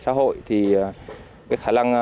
xã hội thì cái khả năng